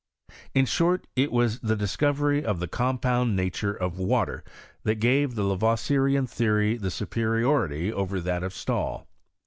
In short, it was the discovery of the compound nature of water that gave the Lavoisierian theory the superiority over that of Stahl.